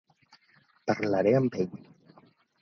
Parlaré amb ell.